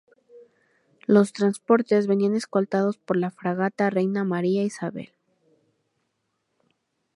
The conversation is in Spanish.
Los transportes venían escoltados por la fragata Reina María Isabel.